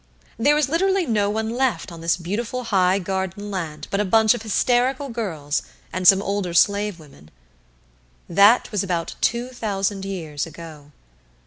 There was literally no one left on this beautiful high garden land but a bunch of hysterical girls and some older slave women. That was about two thousand years ago.